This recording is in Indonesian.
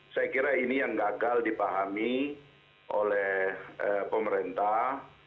saya kira ini yang gagal dipahami oleh pemerintah